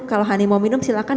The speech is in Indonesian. kalau honey mau minum silahkan